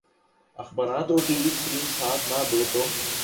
اخبارات اور T V screen ساتھ نہ دے تو